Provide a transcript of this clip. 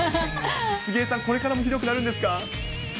杉江さん、これからもひどくなるんですか。